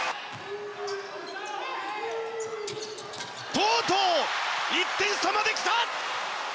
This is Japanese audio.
とうとう１点差まできた！